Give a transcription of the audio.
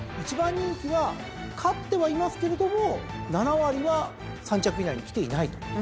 １番人気は勝ってはいますけれども７割は３着以内にきていないと。